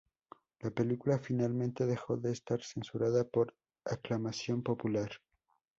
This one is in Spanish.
La película finalmente dejó de estar censurada por aclamación popular.